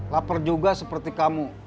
laper juga seperti kamu